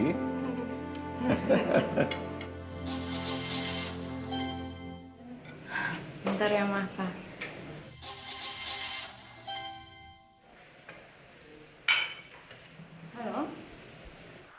bentar ya maha pak